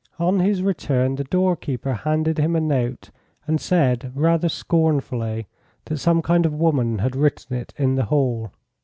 On his return the doorkeeper handed him a note, and said, rather scornfully, that some kind of woman had written it in the hall.